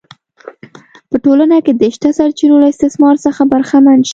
په ټولنه کې د شته سرچینو له استثمار څخه برخمن شي